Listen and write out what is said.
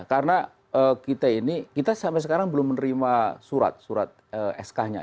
karena kita ini kita sampai sekarang belum menerima surat surat sk nya